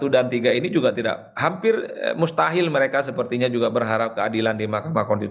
satu dan tiga ini juga tidak hampir mustahil mereka sepertinya juga berharap keadilan di mahkamah konstitusi